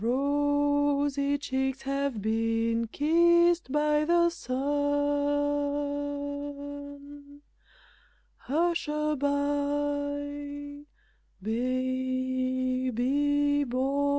Rosy cheeks have been kissed by the sun, Hush a bye, baby boy!